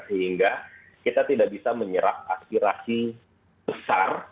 sehingga kita tidak bisa menyerap aspirasi besar